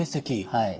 はい。